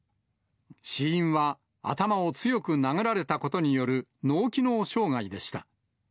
死因は頭を強く殴られたことによる脳機能障害でした。